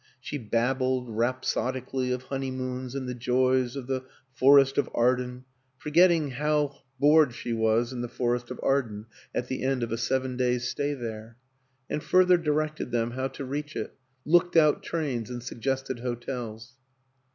She babbled rhapsodically of honeymoons and the joys of the Forest of Arden forgetting how 40 WILLIAM AN ENGLISHMAN bored she was in the Forest of Arden at the end of a seven days' stay there and further directed them how to reach it, looked out trains and sug gested hotels.